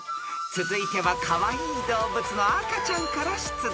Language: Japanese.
［続いてはカワイイ動物の赤ちゃんから出題］